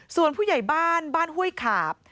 ส่วนผู้ใหญ่บ้านบ้านห้วยขาบ